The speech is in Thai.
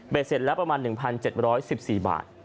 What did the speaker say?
เสร็จแล้วประมาณ๑๗๑๔บาท